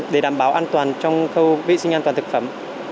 để đảm bảo an toàn trong khâu vệ sinh an toàn thực phẩm